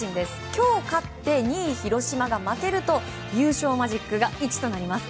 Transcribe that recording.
今日勝って２位、広島が負けると優勝マジックが１となります。